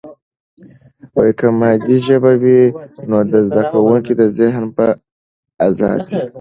که مادي ژبه وي، نو د زده کوونکي ذهن به آزاد وي.